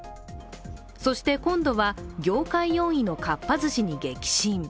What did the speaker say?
そして今度は業界４位のかっぱ寿司に激震。